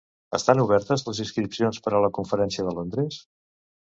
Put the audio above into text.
Estan obertes les inscripcions per a la conferència de Londres?